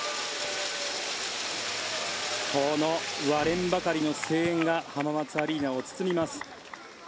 この割れんばかりの声援が浜松アリーナを包みます。